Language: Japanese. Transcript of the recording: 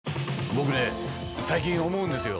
僕ね最近思うんですよ。